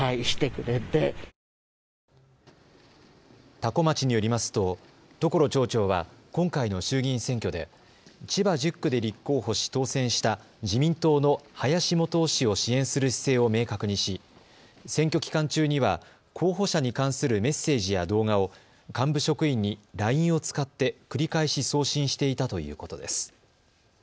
多古町によりますと所町長は今回の衆議院選挙で千葉１０区で立候補し当選した自民党の林幹雄氏を支援する姿勢を明確にし選挙期間中には候補者に関するメッセージや動画を幹部職員にＬＩＮＥを使って繰り返し送信していたということです。